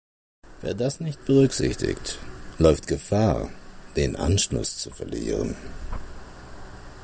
Wer das nicht berücksichtigt, läuft Gefahr, den Anschluss zu verlieren.